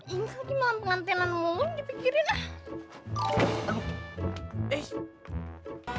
ini lagi malam pengantinan mungun dipikirin ah